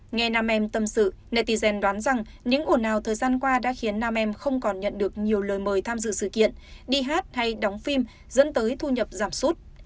nghe nam em tâm sự netigen đoán rằng những ồn ào thời gian qua đã khiến nam em không còn nhận được nhiều lời mời tham dự sự kiện đi hát hay đóng phim dẫn tới thu nhập giảm sút